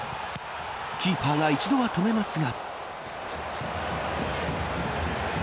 キーパーが一度は止めますが。